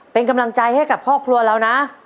เป็นกำลังใจให้กับครอบครัวเรานะ